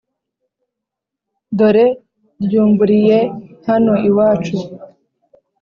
Dore ryumburiye hano iwacu